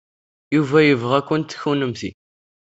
Yuba yebɣa-kent kennemti.